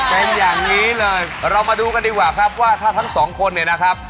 เป็นอย่างนี้เลยเรามาดูกันดีกว่าครับว่าถ้าทั้งสองคนเนี่ยนะครับ